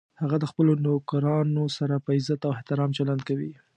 هغه د خپلو نوکرانو سره په عزت او احترام چلند کوي